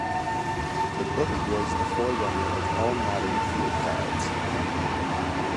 The book was the forerunner of all modern field guides.